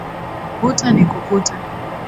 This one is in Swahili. Vuta nikuvute